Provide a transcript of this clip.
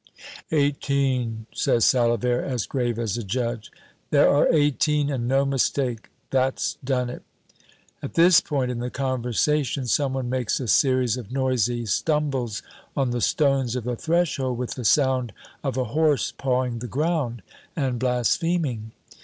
"Eighteen!" says Salavert, as grave as a judge. "There are eighteen, and no mistake; that's done it." At this point in the conversation, some one makes a series of noisy stumbles on the stones of the threshold with the sound of a horse pawing the ground and blaspheming.